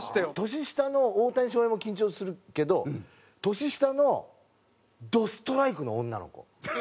年下の大谷翔平も緊張するけど年下のどストライクの女の子。